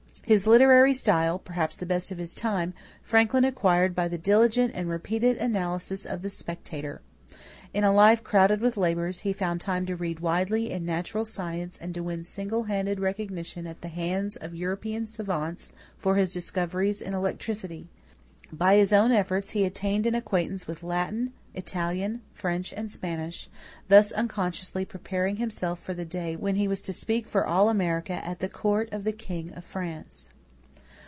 His literary style, perhaps the best of his time, Franklin acquired by the diligent and repeated analysis of the Spectator. In a life crowded with labors, he found time to read widely in natural science and to win single handed recognition at the hands of European savants for his discoveries in electricity. By his own efforts he "attained an acquaintance" with Latin, Italian, French, and Spanish, thus unconsciously preparing himself for the day when he was to speak for all America at the court of the king of France.